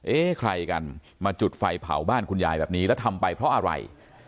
เอ๊ะใครกันมาจุดไฟเผาบ้านคุณยายแบบนี้แล้วทำไปเพราะอะไร